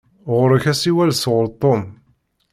Ɣuṛ-k asiwel sɣuṛ Tom.